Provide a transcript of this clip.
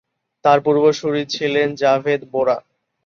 তার পূর্বসূরি ছিলেন জাভেদ বোরা।